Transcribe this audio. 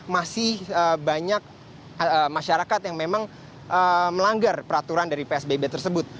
masih banyak masyarakat yang memang melanggar peraturan dari psbb tersebut